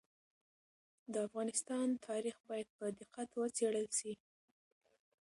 د افغانستان تاریخ باید په دقت وڅېړل سي.